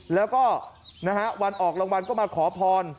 แล้วก็นะฮะวันออกรางวัลก็มาขอพร